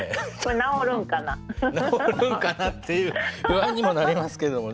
直るんかなっていう不安にもなりますけどもね。